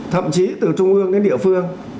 thậm chí từ trung ương đến địa phương